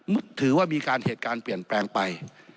ถือว่ามีการเหตุการณ์เปลี่ยนแปลงไป